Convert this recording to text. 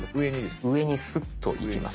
上にスッといきます。